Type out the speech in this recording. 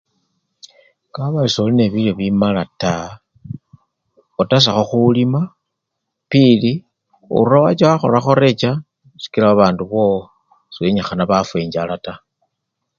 Kaabari solinebilyo bimala taa, otasakho khulima pili urura wacha wakholakho recha sikila babandu bowo sebenyikhana bafwa enjjala taa.